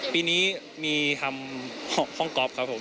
ปีนี้มีทำห้องก๊อฟครับผม